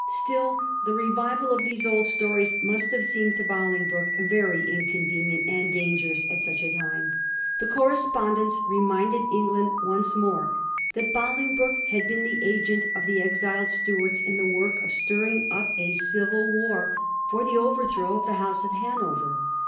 Still, the re vival of these old stories must have seemed to Bolingbroke very inconvenient and dangerous at such a time. The cor respondence reminded England once more that Boling broke had been the agent of the exiled Stuarts in the work of stirring up a civil war for the overthrow of the House of Hanover.